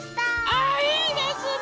あいいですね！